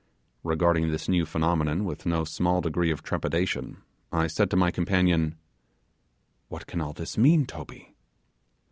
Regarding this new phenomenon with no small degree of trepidation, I said to my companion, 'What can all this mean, Toby?